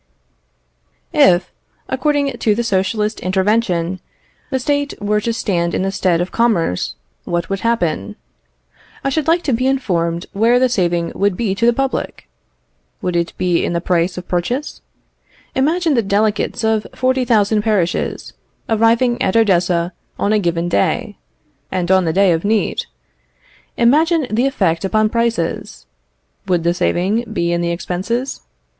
If, according to the Socialist invention, the State were to stand in the stead of commerce, what would happen? I should like to be informed where the saving would be to the public? Would it be in the price of purchase? Imagine the delegates of 40,000 parishes arriving at Odessa on a given day, and on the day of need: imagine the effect upon prices. Would the saving be in the expenses?